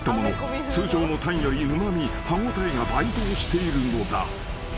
［通常のタンよりうま味歯応えが倍増しているのだ］